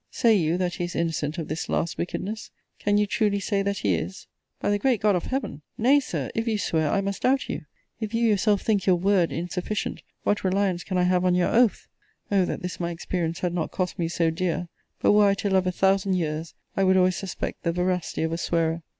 Say you, that he is innocent of this last wickedness? can you truly say that he is? By the great God of Heaven! Nay, Sir, if you swear, I must doubt you! If you yourself think your WORD insufficient, what reliance can I have on your OATH! O that this my experience had not cost me so dear! but were I to love a thousand years, I would always suspect the veracity of a swearer.